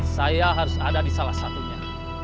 saya harus ada di salah satunya